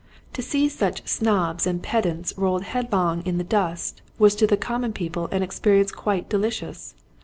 To see such snobs and ped ants rolled headlong in the dust was to the common people an experience quite delicious.